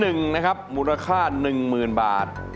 เพลงที่๑นะครับมูลค่า๑หมื่นบาท